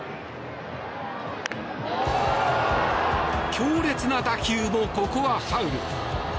強烈な打球もここはファウル。